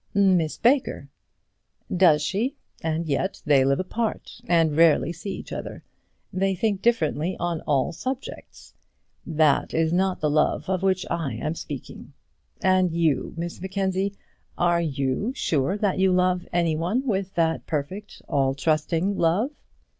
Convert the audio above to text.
"Miss Baker." "Does she? And yet they live apart, and rarely see each other. They think differently on all subjects. That is not the love of which I am speaking. And you, Miss Mackenzie, are you sure that you love anyone with that perfect all trusting, love?"